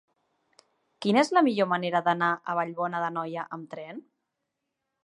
Quina és la millor manera d'anar a Vallbona d'Anoia amb tren?